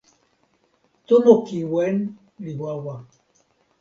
tomo kiwen li wawa.